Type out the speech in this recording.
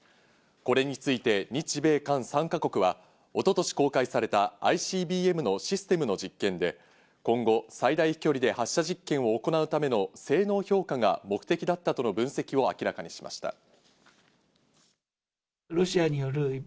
これについて日米韓３か国は、一昨年公開されたＩＣＢＭのシステムの実験で今後、最大飛距離で発射実験を行うための性能評価が目的だったとの分析を明らかにしました。